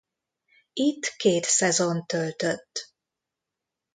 Itt két szezont töltött.